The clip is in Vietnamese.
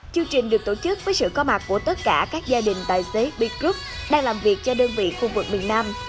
chương trình được tổ chức với sự có mặt của tất cả các gia đình tài xế b group đang làm việc cho đơn vị khu vực miền nam